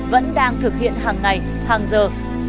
vẫn đang thực hiện hàng ngày hàng giờ